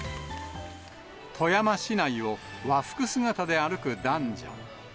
富山市内を和服姿で歩く男女。